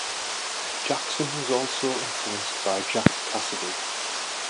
Jackson was also influenced by Jack Casady.